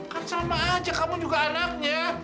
kan sama aja kamu juga anaknya